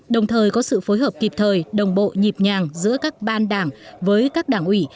đồng thời có sự phối hợp kịp thời đồng bộ nhịp nhàng giữa các ban đảng với các đảng ủy